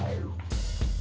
sampai jumpa lagi